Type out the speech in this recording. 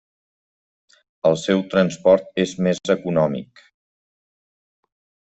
El seu transport és més econòmic.